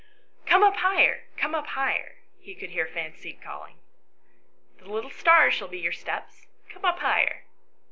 " Come up higher, come up higher/' he could hear Fancy calling. " The little stars shall be your steps ; come up higher."